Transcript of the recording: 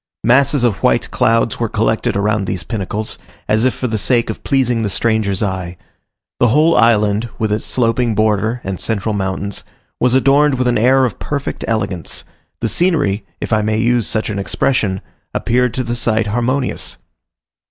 Masses of white clouds were collected around these pinnacles, as if for the sake of pleasing the stranger's eye. The whole island, with its sloping border and central mountains, was adorned with an air of perfect elegance: the scenery, if I may use such an expression, appeared to the sight harmonious.